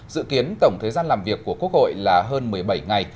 dự kiến tổng thời gian làm việc của quốc hội là hơn một mươi bảy ngày